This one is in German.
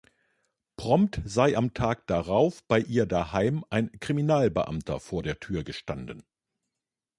Prompt sei am Tag darauf bei ihr daheim ein Kriminalbeamter vor der Tür gestanden.